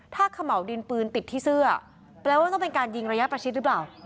ถ้าเขม่าวดินปืนติดที่เสื้อแปลว่าต้องเป็นการยิงระยะประชิดหรือเปล่า